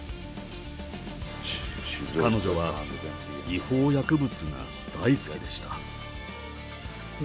彼女は、違法薬物が大好きでした。